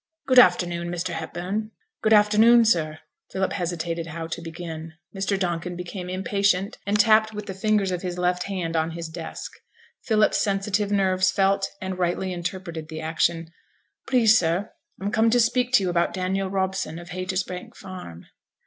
'Good afternoon, Mr. Hepburn!' 'Good afternoon, sir.' Philip hesitated how to begin. Mr. Donkin became impatient, and tapped with the fingers of his left hand on his desk. Philip's sensitive nerves felt and rightly interpreted the action. 'Please, sir, I'm come to speak to you about Daniel Robson, of Haytersbank Farm.'